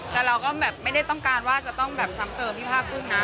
แต่เราก็แบบไม่ได้ต้องการว่าจะต้องแบบซ้ำเติมพี่ผ้ากุ้งนะ